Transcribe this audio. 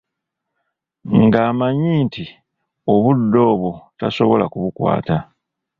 Ng'amanyi nti obudde obwo tasobola kubukwata.